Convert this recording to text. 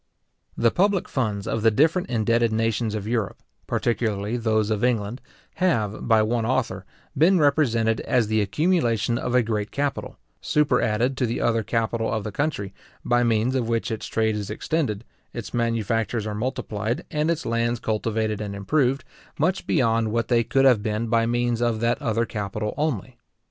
The public funds of the different indebted nations of Europe, particularly those of England, have, by one author, been represented as the accumulation of a great capital, superadded to the other capital of the country, by means of which its trade is extended, its manufactures are multiplied, and its lands cultivated and improved, much beyond what they could have been by means of that other capital only.